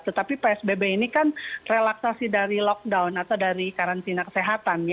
tetapi psbb ini kan relaksasi dari lockdown atau dari karantina kesehatan